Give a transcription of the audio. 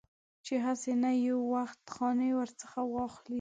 چې هسې نه یو وخت خاني ورڅخه واخلي.